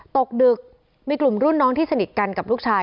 ตกดึกมีกลุ่มรุ่นน้องที่สนิทกันกับลูกชาย